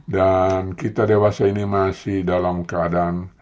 dan kita dewasa ini masih dalam keadaan